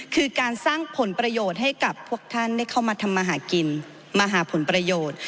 คือการสร้างผลประโยชน์ให้กับพวกท่านได้เข้ามาทำมาหากินมาหาผลประโยชน์